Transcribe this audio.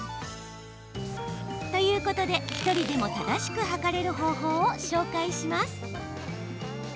ということで、１人でも正しく測れる方法を紹介します。